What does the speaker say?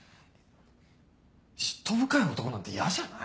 嫉妬深い男なんて嫌じゃない？